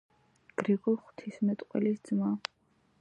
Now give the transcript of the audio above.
გრიგოლ ღვთისმეტყველის ძმა.